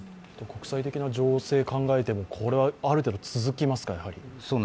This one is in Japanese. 国際的な情勢を考えても、これはある程度続きますか。